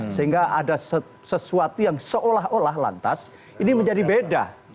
sehingga ada sesuatu yang seolah olah lantas ini menjadi beda